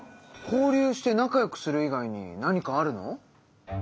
交流して仲良くする以外に何かあるの？